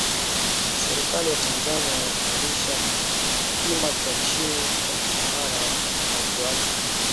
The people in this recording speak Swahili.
Serikali ya Tanzania yapandisha kima cha chini cha mshahara wa wafanyakazi wake